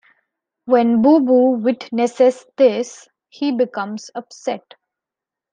When Boo Boo witnesses this, he becomes upset.